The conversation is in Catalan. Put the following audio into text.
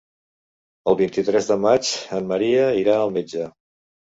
El vint-i-tres de maig en Maria irà al metge.